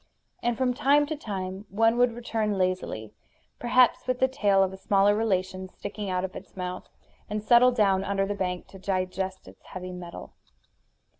And from time to time one would return lazily, perhaps with the tail of a smaller relation sticking out of its mouth, and settle down under the bank to digest its heavy meal.